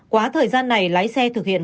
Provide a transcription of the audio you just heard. quá thời gian này lái xe thực hiện